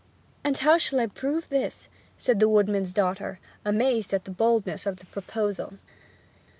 'And how shall I prove this?' said the woodman's daughter, amazed at the boldness of the proposal.